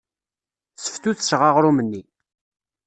Sseftutseɣ aɣrum-nni.